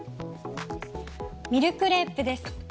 ミルクレープです。